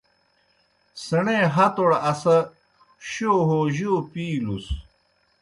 سیݨے ہتوْڑ اسہ شو ہو جوْ پِیلُس؟